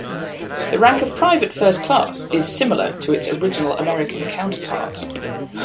The rank of private first class is similar to its original American counterpart.